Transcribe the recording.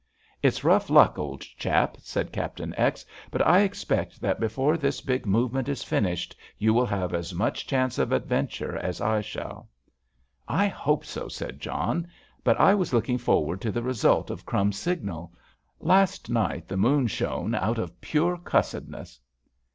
"It's rough luck, old chap," said Captain X., "but I expect that before this big movement is finished you will have as much chance of adventure as I shall." "I hope so," said John. "But I was looking forward to the result of 'Crumbs's' signal. Last night the moon shone out of pure cussedness."